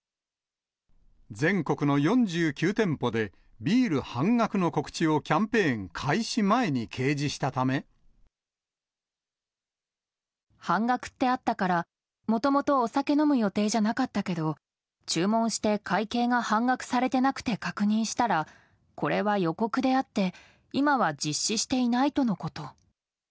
全国の４９店舗でビール半額の告知をキャンペーン開始前に掲半額ってあったから、もともとお酒飲む予定じゃなかったけど、注文して会計が半額されてなくて確認したら、これは予告であって、今は実施していないとのこと。